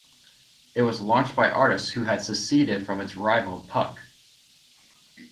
It was launched by artists who had seceded from its rival "Puck".